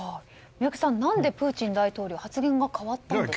宮家さん、何でプーチン大統領発言が変わったんですか？